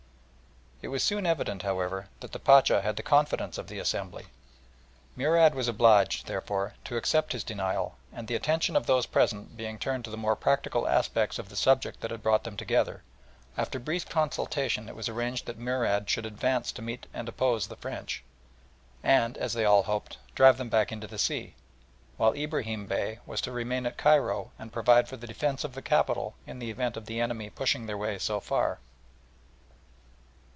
It was soon evident, however, that the Pacha had the confidence of the assembly. Murad was obliged, therefore, to accept his denial, and the attention of those present being turned to the more practical aspects of the subject that had brought them together, after a brief consultation it was arranged that Murad should advance to meet and oppose the French, and, as they all hoped, drive them back into the sea, while Ibrahim Bey was to remain at Cairo and provide for the defence of the capital in the event of the enemy pushing their way so far.